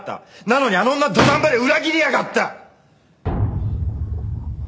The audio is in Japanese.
なのにあの女土壇場で裏切りやがった！